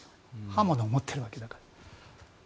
刃物を持っているわけだから。